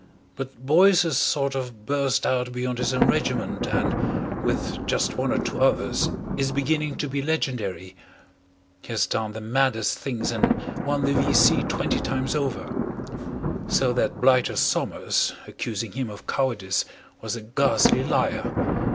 But Boyce has sort of burst out beyond his own regiment and, with just one or two others, is beginning to be legendary. He has done the maddest things and won the V.C. twenty times over. So that blighter Somers, accusing him of cowardice, was a ghastly liar.